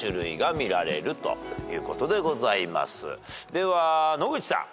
では野口さん。